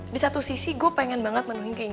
di satu sisi gue pengen banget menunggi kayak gini ya